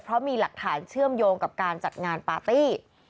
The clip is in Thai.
เพราะมีหลักฐานเชื่อมโยงกับการจัดงานปาร์ตี้